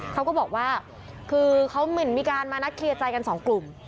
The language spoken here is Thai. เขาก็บอกว่าคือเขาเหมือนมีการมานัดเคลียร์ใจกันสองกลุ่ม